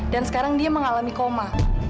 dan sekarang dia mengalami koma